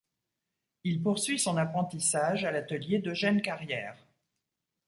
Il poursuit son apprentissage à l'atelier d'Eugène Carrière.